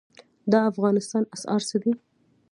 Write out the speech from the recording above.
د افغانستان اسعار څه دي؟